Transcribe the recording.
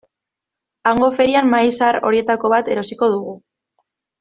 Hango ferian mahai zahar horietako bat erosiko dugu.